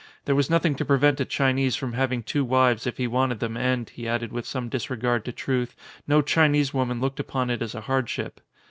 There was nothing to prevent a Chi nese from having two wives if he wanted them and, he added with some disregard to truth, no Chinese woman looked upOn it as a hardship.